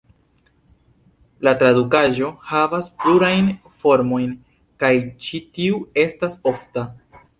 La tradukaĵo havas plurajn formojn kaj ĉi tiu estas ofta.